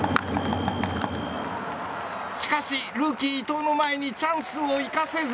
しかし、ルーキー伊藤の前にチャンスを生かせず。